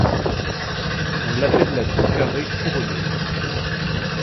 On l'appelle la Tour carrée couronnée.